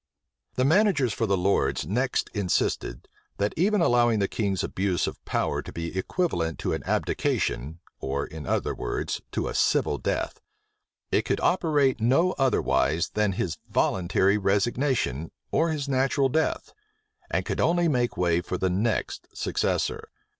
The managers for the lords next insisted, that even allowing the king's abuse of power to be equivalent to an abdication, or, in other words, to a civil death, it could operate no other *wise than his voluntary resignation, or his natural death; and could only make way for the next successor.